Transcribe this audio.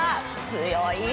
強い！